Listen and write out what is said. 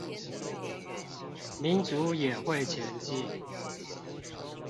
民主也會前進